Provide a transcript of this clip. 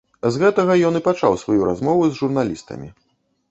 З гэтага ён і пачаў сваю размову з журналістамі.